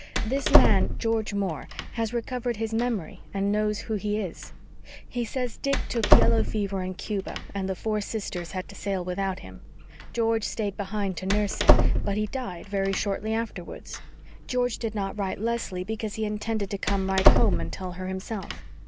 This man George Moore has recovered his memory and knows who he is. He says Dick took yellow fever in Cuba, and the Four Sisters had to sail without him. George stayed behind to nurse him. But he died very shortly afterwards. "George did not write Leslie because he intended to come right home and tell her himself."